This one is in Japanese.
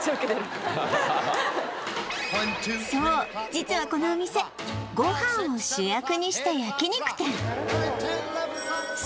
実はこのお店ご飯を主役にした焼肉店